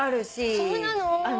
そうなの？